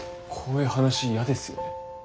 こういう話苦手っすよね？